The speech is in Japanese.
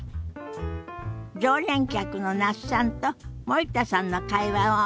常連客の那須さんと森田さんの会話を見てみましょ。